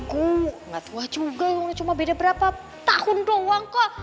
gue gak tua juga cuma beda berapa tahun doang kok